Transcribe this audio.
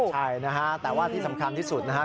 ใช่นะฮะแต่ว่าที่สำคัญที่สุดนะฮะ